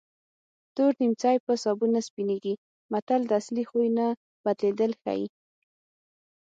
تور نیمڅی په سابون نه سپینېږي متل د اصلي خوی نه بدلېدل ښيي